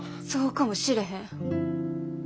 そうかもしれへん。